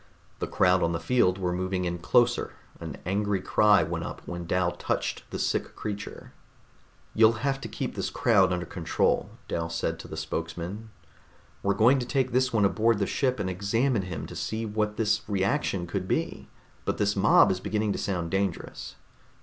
The crowd on the field were moving in closer; an angry cry went up when Dal touched the sick creature. "You'll have to keep this crowd under control," Dal said to the spokesman. "We're going to take this one aboard the ship and examine him to see what this reaction could be, but this mob is beginning to sound dangerous."